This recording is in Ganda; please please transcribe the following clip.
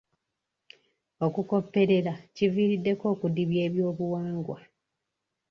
Okukopperera kiviiriddeko okudibya ebyobuwangwa.